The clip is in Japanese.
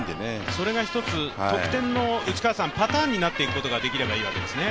それが得点のパターンになっていくことができればいいわけですね。